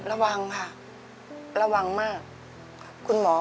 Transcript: ระวังค่ะระวังมาก